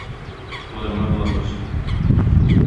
Шулай гына була күрсен.